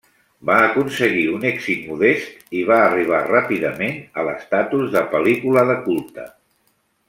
Va aconseguir un èxit modest i va arribar ràpidament a l'estatus de pel·lícula de culte.